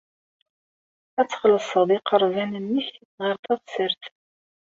Ad txellṣeḍ lqerban-nnek ɣer teɣsert.